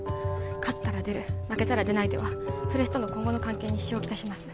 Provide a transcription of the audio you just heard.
勝ったら出る負けたら出ないではプレスとの今後の関係に支障をきたします